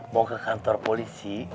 mau ke kantor polisi